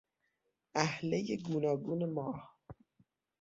اهلهی گوناگون ماه